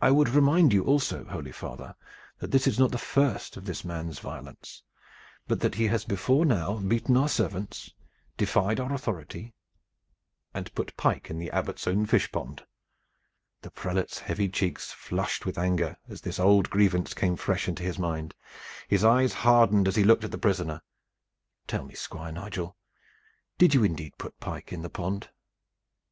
I would remind you also, holy father, that this is not the first of this man's violence, but that he has before now beaten our servants, defied our authority, and put pike in the Abbot's own fish pond." The prelate's heavy cheeks flushed with anger as this old grievance came fresh into his mind. His eyes hardened as he looked at the prisoner. "Tell me, Squire Nigel, did you indeed put pike in the pond?"